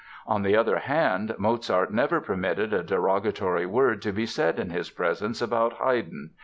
On the other hand, Mozart never permitted a derogatory word to be said in his presence about Haydn.